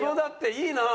いいなあ！